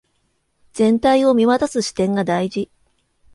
全体を見渡す視点が大事